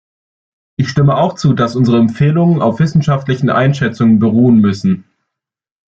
Ich stimme auch zu, dass unsere Empfehlungen auf wissenschaftlichen Einschätzungen beruhen müssen.